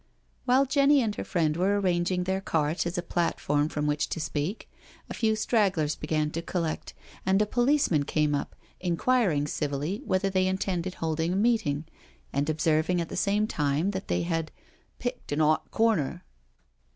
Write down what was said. While Jenny and her friend were arranging their cart as a platform from which to speak, a few stragglers began to collect and a policeman came up, inquiring civilly whether they intended holding a meeting, and observing at the same time that they had *' picked an 'ot corner."